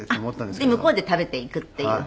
で向こうで食べていくっていう。